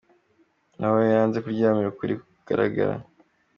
Aho yanze kuryamira ukuri kugaragara !